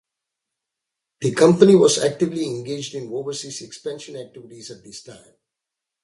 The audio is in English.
The company was actively engaged in overseas expansion activities at this time.